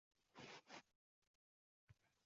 Odam liq to‘la.